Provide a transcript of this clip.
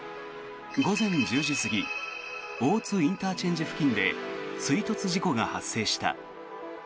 午前１０時過ぎ、大津ＩＣ付近で追突事故が発生した。